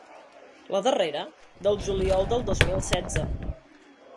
La darrera, del juliol del dos mil setze.